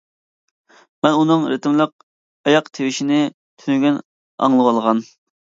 مەن ئۇنىڭ رىتىملىق ئاياق تىۋىشىنى تۈنۈگۈن ئاڭلىۋالغان.